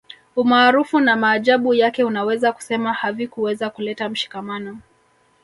Umaarufu na maajabu yake unaweza kusema havikuweza kuleta mshikamano